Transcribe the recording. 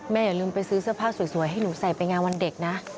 อย่าลืมไปซื้อเสื้อผ้าสวยให้หนูใส่ไปงานวันเด็กนะ